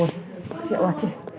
ủa một triệu hả chị